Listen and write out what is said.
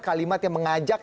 kalimat yang mengajak